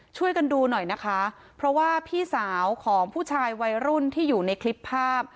ช่วยกันดูหน่อยนะคะเพราะว่าพี่สาวของผู้ชายวัยรุ่นที่อยู่ในคลิปภาพ